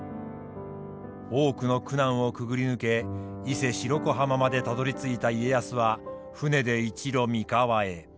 多くの苦難をくぐり抜け伊勢・白子浜までたどりついた家康は舟で一路三河へ。